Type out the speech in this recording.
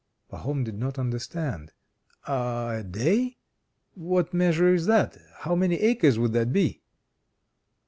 Pahom did not understand. "A day? What measure is that? How many acres would that be?"